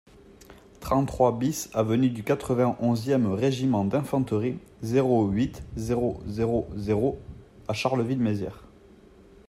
trente-trois BIS avenue du quatre-vingt-onze e Régiment d'Infanterie, zéro huit, zéro zéro zéro à Charleville-Mézières